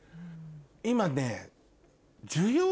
今ね。